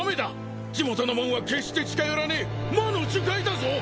地元の者は決して近寄らねえ魔の樹海だぞ！